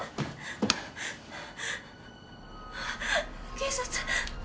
警察。